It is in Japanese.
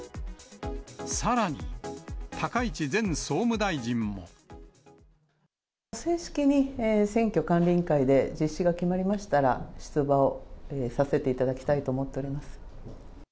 さらに、正式に選挙管理委員会で実施が決まりましたら、出馬をさせていただきたいと思っております。